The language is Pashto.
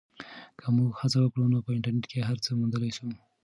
که موږ هڅه وکړو نو په انټرنیټ کې هر څه موندلی سو.